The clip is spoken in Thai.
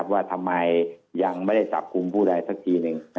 ว่าทำไมยังไม่ได้จับคุมฮุ่นพู่ลายสักทีหนึ่ง